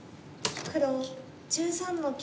黒１３の九。